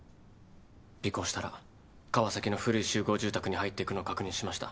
尾行したら川崎の古い集合住宅に入っていくのを確認しました。